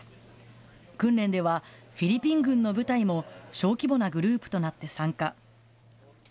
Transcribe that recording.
訓練では、フィリピン軍の部隊も小規模なグループとなって参加。